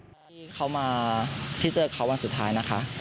ที่เขามาที่เจอเขาวันสุดท้ายนะคะ